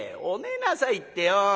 「お寝なさいってよ